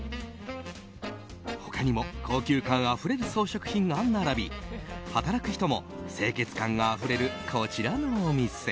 他にも高級感あふれる装飾品が並び働く人も清潔感があふれるこちらのお店